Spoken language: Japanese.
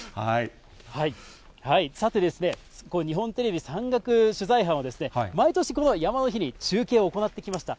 さて、日本テレビ山岳取材班は、毎年、この山の日に中継を行ってきました。